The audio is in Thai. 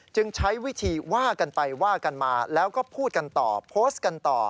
ใช้วิธีว่ากันไปว่ากันมาแล้วก็พูดกันต่อโพสต์กันต่อ